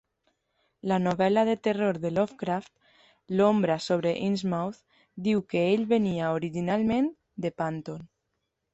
La novel·la de terror de Lovecraft "L'ombra sobre Innsmouth" diu que ell venia originalment de Panton.